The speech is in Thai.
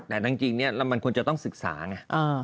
แต่จริงมันควรจะต้องศึกษาไง